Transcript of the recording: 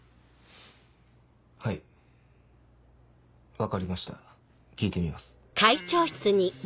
分かりました聞いてみます。